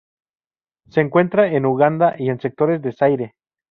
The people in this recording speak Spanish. Se encuentra en Uganda y en sectores de Zaire.